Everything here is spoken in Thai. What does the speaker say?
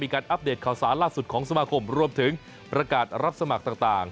อัปเดตข่าวสารล่าสุดของสมาคมรวมถึงประกาศรับสมัครต่าง